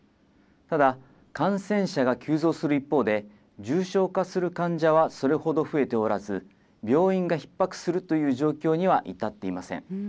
ただ、感染者が急増する一方で、重症化する患者はそれほど増えておらず、病院がひっ迫するという状況には至っていません。